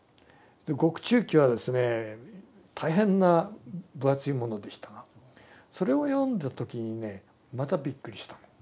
獄中記はですね大変な分厚いものでしたがそれを読んだ時にねまたびっくりした。